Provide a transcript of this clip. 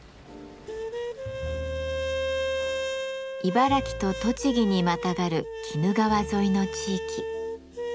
茨城と栃木にまたがる鬼怒川沿いの地域。